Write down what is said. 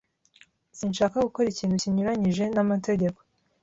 Sinshaka gukora ikintu kinyuranyije n'amategeko.